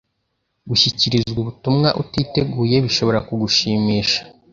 Gushyikirizwa ubutumwa utiteguye bishobora kugushimisha